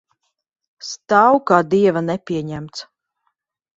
Stāv kā dieva nepieņemts.